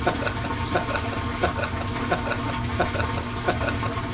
The hard-copy edition is now in print.